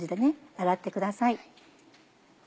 洗ってください。